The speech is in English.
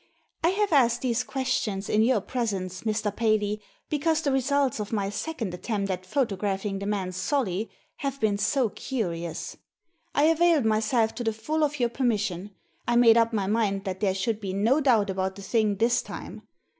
" I have asked these questions in your presence, Mr. Paley, because the results of my second attempt at photographing the man Solly have been so curious. I availed myself to the full of your permission. I made up my mind that there should be no doubt about the thing this time.